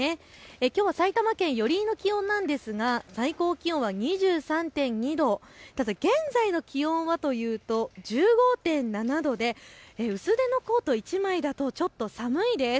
きょうは埼玉県寄居の気温なんですが最高気温は２３．２度、ただ現在の気温はというと１５．７度で薄手のコート１枚だとちょっと寒いです。